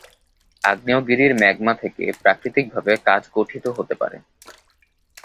আগ্নেয়গিরির ম্যাগমা থেকে প্রাকৃতিকভাবে কাচ গঠিত হতে পারে।